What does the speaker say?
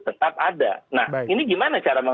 tetap ada nah ini gimana cara